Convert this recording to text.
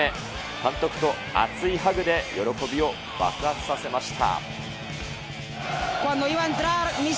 監督と熱いハグで喜びを爆発させました。